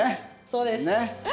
そうです。